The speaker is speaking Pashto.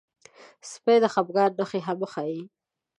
سپي د خپګان نښې هم ښيي.